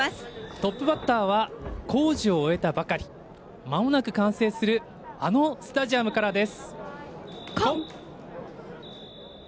トップバッターは工事を終えたばかりまもなく完成するあのスタジアムからです。